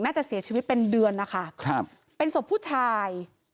น่าจะเสียชีวิตเป็นเดือนนะคะครับเป็นศพผู้ชาย